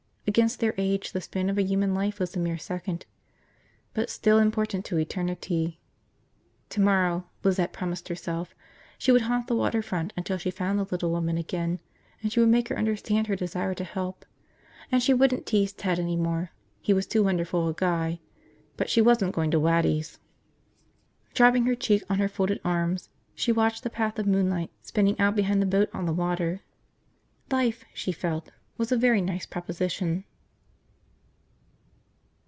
Against their age the span of a human life was a mere second – but still important to eternity. Tomorrow, Lizette promised herself, she would haunt the water front until she found the little woman again and she would make her understand her desire to help. And she wouldn't tease Ted any more. He was too wonderful a guy. But she wasn't going to Waddy's. Dropping her cheek on her folded arms, she watched the path of moonlight spinning out behind the boat on the water. Life, she felt, was a very nice proposition.